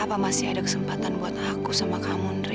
apa masih ada kesempatan buat aku sama kamu ndre